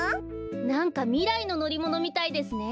なんかみらいののりものみたいですね。